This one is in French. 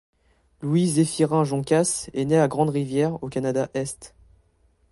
Louis-Zéphirin Joncas est né à Grande-Rivière, au Canada-Est.